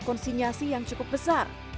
konsinyasi yang cukup besar